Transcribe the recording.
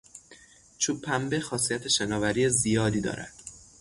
چوبپنبه خاصیت شناوری زیادی دارد.